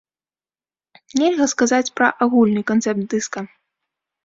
Нельга сказаць пра агульны канцэпт дыска.